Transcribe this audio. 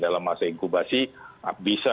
dalam masa inkubasi bisa